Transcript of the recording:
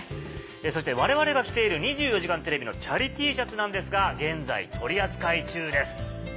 そして我々が着ている『２４時間テレビ』のチャリＴシャツなんですが現在取り扱い中です。